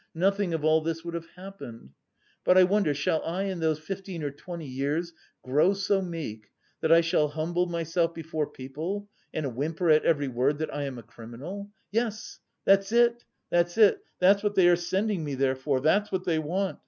Nothing of all this would have happened. But I wonder shall I in those fifteen or twenty years grow so meek that I shall humble myself before people and whimper at every word that I am a criminal? Yes, that's it, that's it, that's what they are sending me there for, that's what they want.